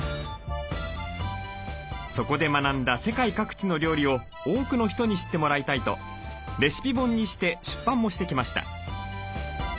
そこで学んだ世界各地の料理を多くの人に知ってもらいたいとレシピ本にして出版もしてきました。